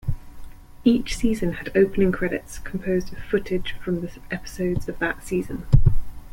Each season had opening credits composed of footage from the episodes of that season.